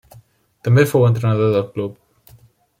També fou entrenador del club.